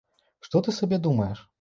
Што ты сабе думаеш?